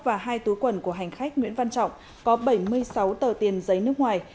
và hai túi quần của hành khách nguyễn văn trọng có bảy mươi sáu tờ tiền giấy nước ngoài